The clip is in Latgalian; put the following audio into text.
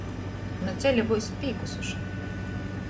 Nu ceļa byusit pīkusuši.